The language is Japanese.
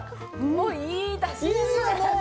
もういいだし。いいよね！